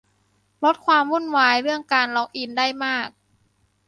ลดความวุ่นวายเรื่องการล็อกอินได้มาก